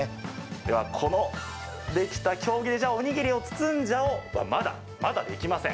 では、このできた経木でおにぎりを包んじゃお！は、まだまだ、できません。